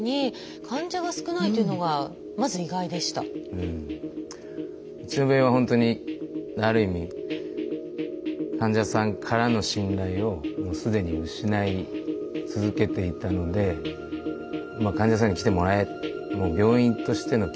うちの病院はほんとにある意味患者さんからの信頼を既に失い続けていたので患者さんに来てもらえ。